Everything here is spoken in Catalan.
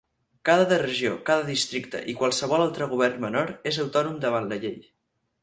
Cada regió, cada districte i qualsevol altre govern menor és autònom davant la llei.